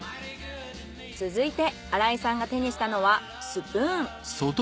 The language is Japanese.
続いて荒井さんが手にしたのはスプーン。